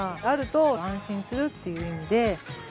あると安心するっていう意味で。